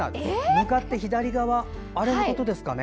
向かって左側のことですかね。